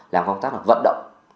làm công tác vận động